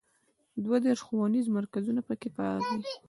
دوه دیرش ښوونیز مرکزونه په کې فعال دي.